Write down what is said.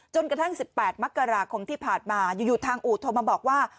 จนกระทั่ง๑๘มกราคมที่ผ่านมาอยู่ทางอู่โทรมาบอกว่า